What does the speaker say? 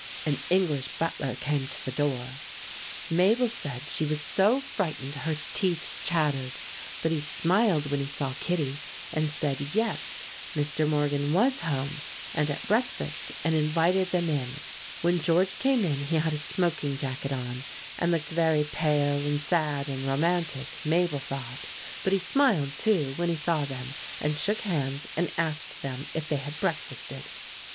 An English butler came to the door. Mabel said she was so frightened her teeth chattered, but he smiled when he saw Kittie, and said yes, Mr. Morgan was home and at breakfast, and invited them in. When George came in he had a smoking jacket on, and looked very pale and sad and romantic, Mabel thought, but he smiled, too, when he saw them, and shook hands and asked them if they had breakfasted.